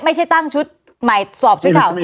อ๋อไม่ใช่ตั้งชุดหมายสอบชุดเก่า